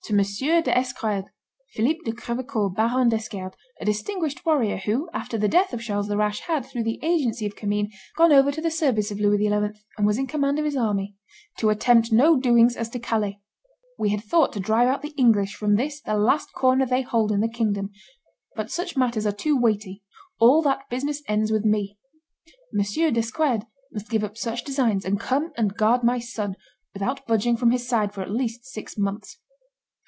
d'Esquerdes [Philip de Crevecoeur, Baron d'Esquerdes, a distinguished warrior, who, after the death of Charles the Rash, had, through the agency of Commynes, gone over to the service of Louis XI., and was in command of his army] to attempt no doings as to Calais. We had thought to drive out the English from this the last corner they hold in the kingdom; but such matters are too weighty; all that business ends with me. M. d'Esquerdes must give up such designs, and come and guard my son without budging from his side for at least six months.